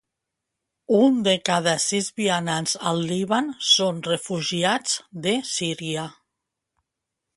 Un de cada sis vianants al Líban són refugiats de Síria.